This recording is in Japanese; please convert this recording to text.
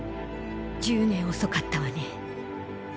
１０年遅かったわね。